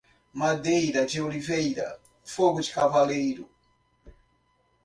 Madeira de oliveira, fogo de cavaleiro.